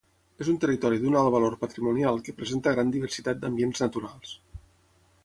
És un territori d'un alt valor patrimonial que presenta gran diversitat d'ambients naturals.